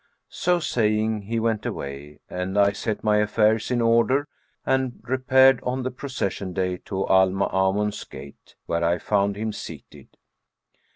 So saying, he went away and I set my affairs in order and repaired on the Procession day to Al Maamun's Gate, where I found him seated.